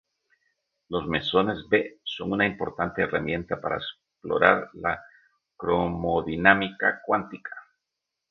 Los mesones B son una importante herramienta para explorar la cromodinámica cuántica.